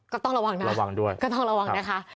ก็ต้องระวังนะก็ต้องระวังนะคะระวังด้วย